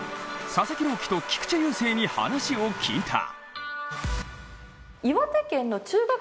佐々木朗希と菊池雄星に話を聞いた。